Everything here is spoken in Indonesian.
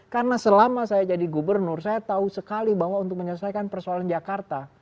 karena selama saya jadi gubernur saya tahu sekali bahwa untuk menyelesaikan persoalan jakarta